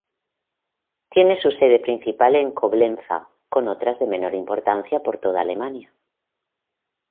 Tiene su sede principal en Coblenza, con otras de menor importancia por toda Alemania.